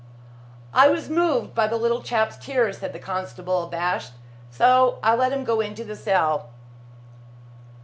"I was moved by the little chap's tears," said the constable, abashed, "so I let him go into the cell."